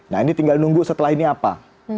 nah ini tinggal nunggu setelah ini apa